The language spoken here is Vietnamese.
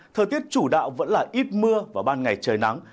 thời tiết chủ đạo vẫn là ít mưa và ban ngày trời nắng